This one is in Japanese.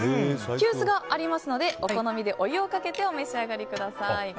急須がありますのでお好みでお湯をかけてお召し上がりください。